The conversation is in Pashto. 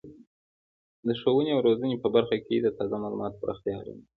د ښوونې او روزنې په برخه کې د تازه معلوماتو پراختیا اړینه ده.